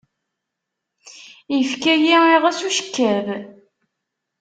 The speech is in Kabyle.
Ifka-yi iɣes ucekkab.